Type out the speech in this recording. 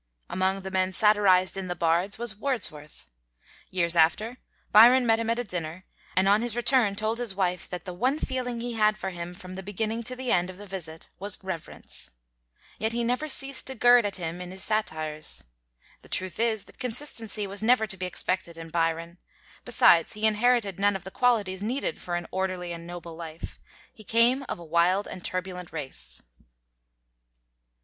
Among the men satirized in the 'Bards' was Wordsworth. Years after, Byron met him at a dinner, and on his return told his wife that the "one feeling he had for him from the beginning to the end of the visit was reverence." Yet he never ceased to gird at him in his satires. The truth is, that consistency was never to be expected in Byron. Besides, he inherited none of the qualities needed for an orderly and noble life. He came of a wild and turbulent race.